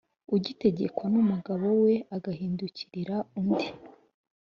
ugitegekwa n umugabo we agahindukirira undi